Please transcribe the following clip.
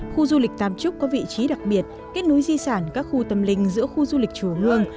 khu du lịch tam trúc có vị trí đặc biệt kết nối di sản các khu tâm linh giữa khu du lịch chùa hương